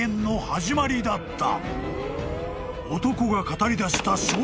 ［男が語りだした］